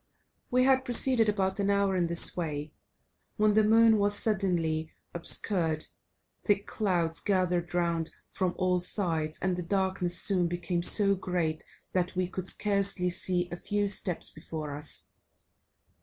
We had proceeded about an hour in this way, when the moon was suddenly obscured; thick clouds gathered round from all sides, and the darkness soon became so great that we could scarcely see a few steps before us.